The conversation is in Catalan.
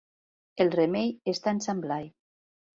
El remei està en Sant Blai.